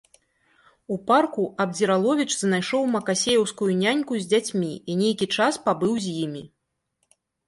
У парку Абдзіраловіч знайшоў макасееўскую няньку з дзяцьмі і нейкі час пабыў з імі.